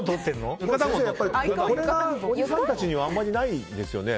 これがおじさんたちにはあまりないですよね。